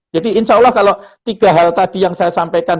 jadi insya allah kalau tiga hal tadi yang saya sampaikan